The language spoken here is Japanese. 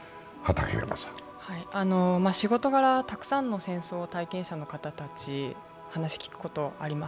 仕事柄、たくさんの戦争体験者の方たちの話を聞くことがあります。